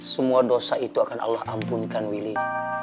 semua dosa itu akan allah ampunkan willy